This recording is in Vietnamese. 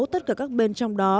tất cả các bên trong đó